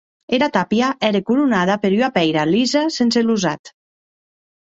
Era tàpia ère coronada per ua pèira lisa sense losat.